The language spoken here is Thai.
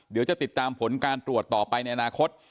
เดี๋ยวจะติดตามผลการตรวจต่อไปในอนาคต